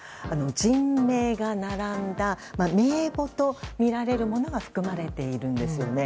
人名が並んだ名簿とみられるものが含まれているんですよね。